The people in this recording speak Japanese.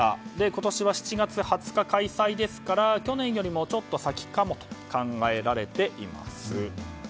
今年は７月２０日開催ですから去年よりもちょっと先かもと考えられています。